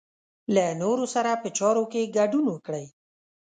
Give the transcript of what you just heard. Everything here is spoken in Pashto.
له نورو سره په چارو کې ګډون وکړئ.